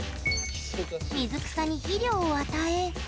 水草に肥料を与え